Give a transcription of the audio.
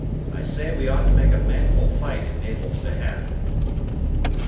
I say we ought to make a manful fight in Mabel's behalf."